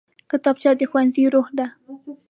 کتابچه د ښوونځي روح ده